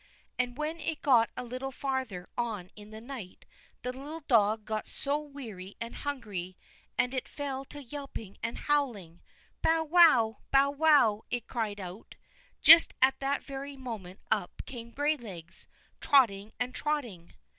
And when it got a little farther on in the night, the little dog got so weary and hungry, and it fell to yelping and howling. "Bow wow, bow wow," it cried out. Just at that very moment up came Graylegs, trotting and trotting.